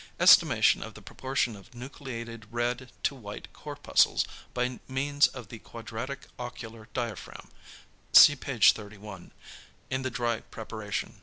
Estimation of the proportion of nucleated red to white corpuscles by means of the quadratic ocular diaphragm (see page 31) in the dry preparation.